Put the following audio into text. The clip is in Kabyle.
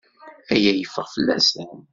Aya yeffeɣ fell-asen.